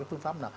phương pháp nào